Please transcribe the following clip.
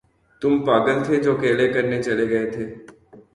تم پاگل تھے جو اکیلے کرنے چلے گئے تھے۔